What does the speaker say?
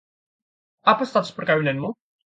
Apa status perkawinanmu?